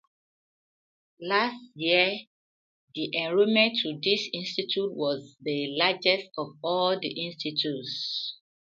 Last year the enrolment to this Institute was the largest of all the Institutes.